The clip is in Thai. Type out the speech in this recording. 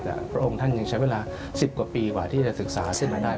แต่พระองค์ท่านยังใช้เวลา๑๐กว่าปีกว่าที่จะศึกษาขึ้นมาได้